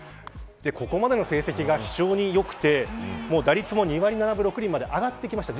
ここまでの成績が非常に良くて打率も２割６分７厘まで上がってきました。